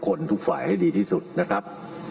โปรดติดตามตอนต่อไป